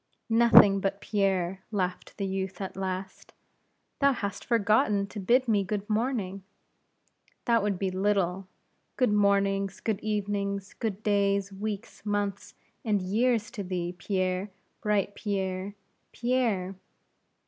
"Nothing but Pierre," laughed the youth, at last; "thou hast forgotten to bid me good morning." "That would be little. Good mornings, good evenings, good days, weeks, months, and years to thee, Pierre; bright Pierre! Pierre!"